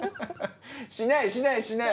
しないしないしない！